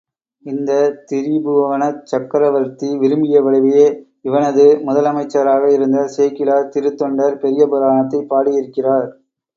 இந்தத் திரிபுவனச் சக்ரவர்த்தி விரும்பியபடியே இவனது முதல் அமைச்சராக இருந்த சேக்கிழார் திருத்தொண்டர் பெரிய புராணத்தைப் பாடி இருக்கிறார்.